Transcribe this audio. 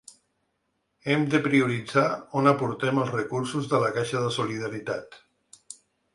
Hem de prioritzar on aportem els recursos de la caixa de solidaritat.